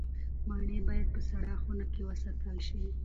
مڼې باید په سړه خونه کې وساتل شي.